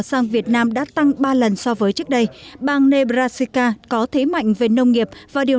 sang việt nam đã tăng ba lần so với trước đây bang nebrasika có thế mạnh về nông nghiệp và điều